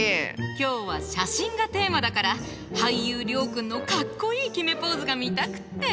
今日は写真がテーマだから俳優諒君のかっこいい決めポーズが見たくって。